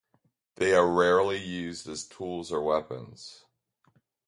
They are rarely used as tools or weapons.